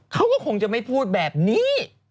เขาก็คงจะไม่พูดแบบนี้